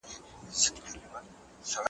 د لامبو درې میاشتې تمرین د رګونو فعالیت ښه کوي.